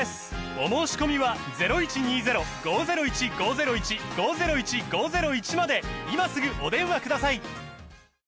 お申込みは今すぐお電話ください